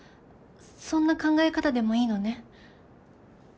そんな考え方でもいいのね。